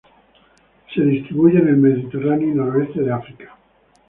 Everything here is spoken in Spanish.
Se distribuye en el Mediterráneo y noroeste de África.